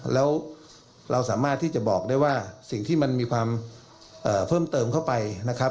แล้วเราสามารถที่จะบอกได้ว่าสิ่งที่มันมีความเพิ่มเติมเข้าไปนะครับ